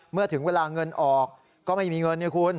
เมื่อถึงเวลาเงินออกก็ไม่มีเงินเนี่ยคุณ